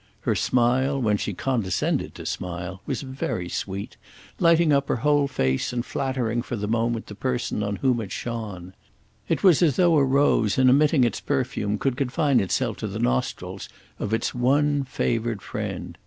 Her smile, when she condescended to smile, was very sweet, lighting up her whole face and flattering for the moment the person on whom it shone. It was as though a rose in emitting its perfume could confine itself to the nostrils of its one favoured friend.